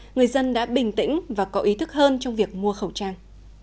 người dân đã bình tĩnh và có ý thức hơn trong việc mua khẩu trang